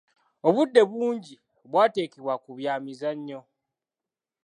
Obudde bungi bwateekebwa ku bya mizannyo.